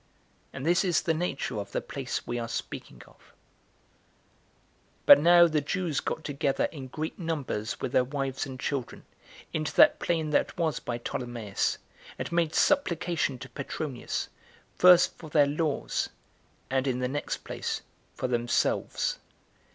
And this is the nature of the place we are speaking of. 3. But now the Jews got together in great numbers with their wives and children into that plain that was by Ptolemais, and made supplication to Petronius, first for their laws, and, in the next place, for themselves.